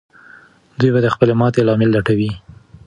دوی به د خپلې ماتې لامل لټوي.